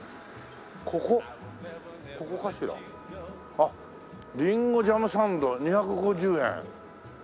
あっ「りんごジャムサンド２５０円」。